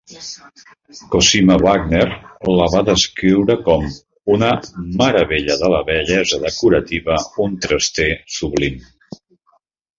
Cosima Wagner la va descriure com una "meravella de la bellesa decorativa, un traster sublim".